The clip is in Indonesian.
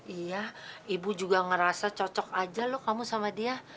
iya ibu juga ngerasa cocok aja loh kamu sama dia